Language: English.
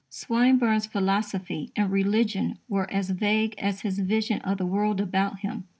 Swinburne's philosophy and religion were as vague as his vision of the world about him.